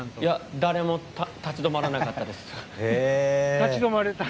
誰も立ち止まらなかったです。